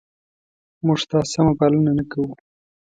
موږ ستا سمه پالنه نه کوو؟